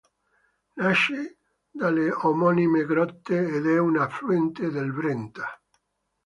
Nasce dalle omonime grotte ed è un affluente del Brenta.